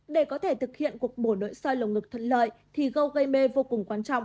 để có thể thực hiện cuộc bổ nội soi lồng ngực thuận lợi thì go gây mê vô cùng quan trọng